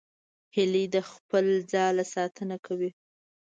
هیلۍ د خپل ځاله ساتنه کوي